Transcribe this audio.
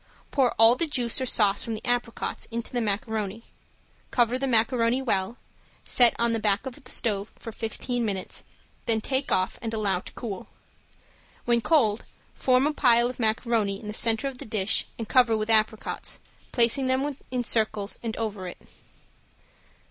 Pour all the juice or sauce from the apricots into the macaroni, cover the macaroni well, set on back of the stove for fifteen minutes, then take off and allow to cool. When cold form a pile of macaroni in the center of the dish and cover with apricots, placing them in circles around and over it.